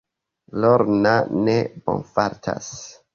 Lorna ne bonfartas.